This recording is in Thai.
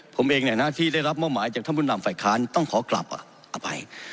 ผมเองเนี่ยนะที่ได้รับเป้าหมายจากท่านพุทธนามฝ่ายค้านต้องขอกลับอ่ะอ่ะไป